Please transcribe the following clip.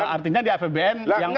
artinya di apbn yang